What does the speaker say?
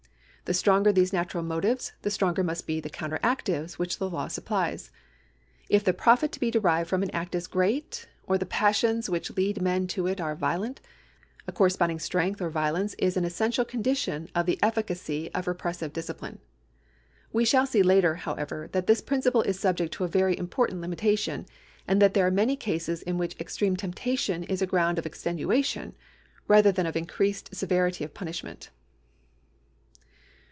The stronger these natural motives the stronger must be the counteractives which the law supplies. If the profit to be derived from an act is great, or the passions which lead men to it are violent, a corresponding strength or violence is an essential condition of the efficacy of repressive discipline. We shall see later, however, that this principle is subject to a very important limitation, and that there are many cases in which extreme temptation is a ground of extenuation rather than of increased severity of punishment.